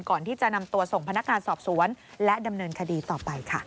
ก่อนที่จะนำตัวส่งพนักงานสอบสวนและดำเนินคดีต่อไปค่ะ